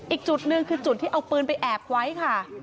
อีกจุดหนึ่งคือจุดที่เอาปืนไปแอบไว้ค่ะ